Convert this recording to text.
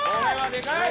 でかい！